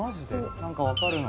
何か分かるの？